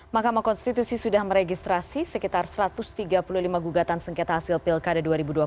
mahkamah konstitusi sudah meregistrasi sekitar satu ratus tiga puluh lima gugatan sengketa hasil pilkada dua ribu dua puluh